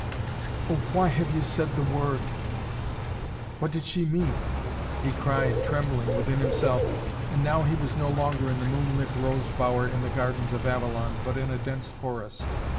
"Oh, why have you said the word!" What did she mean? He cried, trembling, within himself. And now he was no longer in the moonlit rose bower in the gardens of Avalon, but in a dense forest.